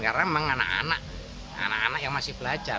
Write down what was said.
karena memang anak anak yang masih belajar